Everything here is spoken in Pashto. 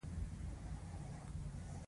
جوجو وخندل، انسان تر هر څه مضر دی.